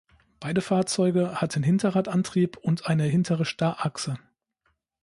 Beide Fahrzeuge hatten Hinterradantrieb und eine hintere Starrachse.